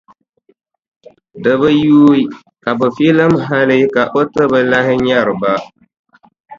Di bi yuui ka bɛ filim hali ka o ti bi lahi nyari ba.